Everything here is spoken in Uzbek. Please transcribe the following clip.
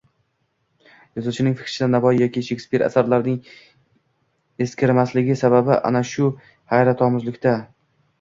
Yozuvchining fikricha, Navoiy yoki Shekspir asarlarining eskirmasligi sababi ana shu hayratomuzlikda